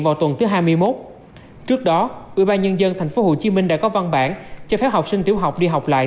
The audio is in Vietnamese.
vào tuần thứ hai mươi một trước đó ubnd tp hcm đã có văn bản cho phép học sinh tiểu học đi học lại